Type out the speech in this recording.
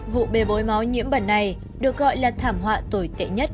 vụ bê bối máu nhiễm bẩn này được gọi là thảm họa tồi tệ nhất